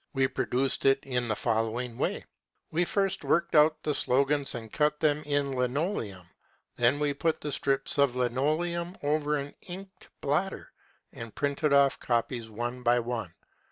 We produced it in the following way : We first worked out the slogans and cut them in linoleum ; then we put the strips of linoleum over an inked blotter and printed off copies one by one.